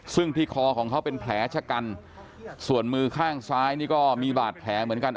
ซึ่งที่คอของเขาเป็นแผลชะกันส่วนมือข้างซ้ายนี่ก็มีบาดแผลเหมือนกัน